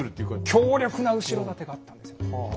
強力な後ろ盾があったんですよね。